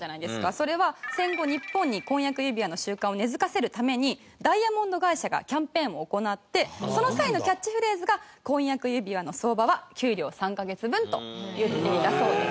それは戦後日本に婚約指輪の習慣を根付かせるためにダイヤモンド会社がキャンペーンを行ってその際のキャッチフレーズが婚約指輪の相場は給料３カ月分と言っていたそうです。